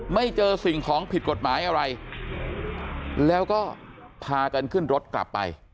ไม่เจอสิ่งของผิดกฎหมายอะไรแล้วก็พากันขึ้นรถกลับไป